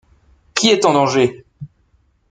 Qui est en danger?